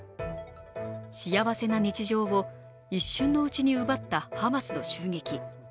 幸せな日常を一瞬のうちに奪ったハマスの襲撃。